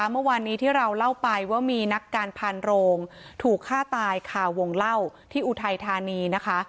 เมื่อวานนี้ที่เราเล่าไปว่ามีนักการพานโรงถูกฆ่าตายคาวงเล่าที่อุทัยธานีนะคะ